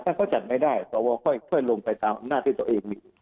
ถ้าเขาจัดไม่ได้สวพวงศ์ค่อยลงไปตามหน้าที่ตัวเองมี